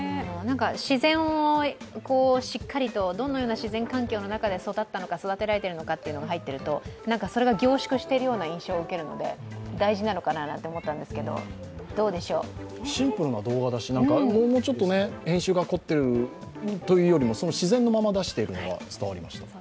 自然をしっかりとどのような自然環境で育ったのか、育てられているのかというのが入っているとそれが凝縮しているような印象を受けるので、大事だなと思いますけどシンプルな動画だしもうちょっと編集が凝っているというよりも、自然のまま出しているのが伝わりました。